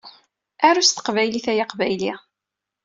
Aru s teqbaylit ay aqbayli!